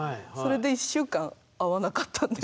一週間会わなかったです。